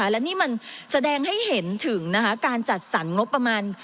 และนี่มันแสดงให้เห็นถึงการจัดสรรงบประมาณ